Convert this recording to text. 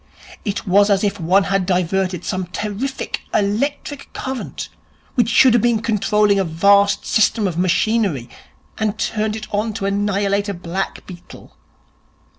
It was as if one had diverted some terrific electric current which should have been controlling a vast system of machinery, and turned it on to annihilate a black beetle.